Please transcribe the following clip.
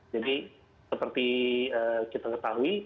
jadi seperti kita ketahui